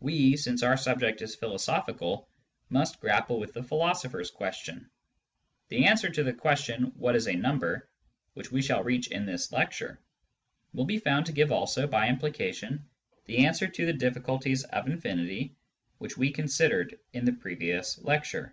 We, since our object is philosophical, must grapple with the philosopher's question. The answer to the question, " What is a number ?" which we shall reach in this lecture, will be found to give also, by implication, the answer to the difficulties of infinity which we considered in the previous lecture.